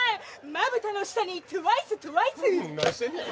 まぶたの下にＴＷＩＣＥＴＷＩＣＥ何してんねん！